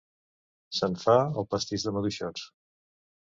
Se'n fa el pastís de maduixots.